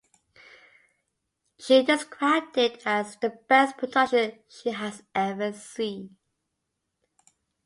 She described it as "the best production she has ever seen".